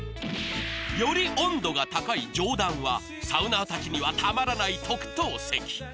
より温度が高い上段はサウナーたちにはたまらない特等席。